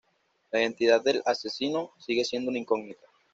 La identidad del asesino sigue siendo una incógnita.